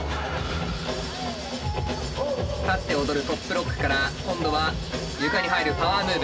立って踊るトップロックから今度は床に入るパワームーブ。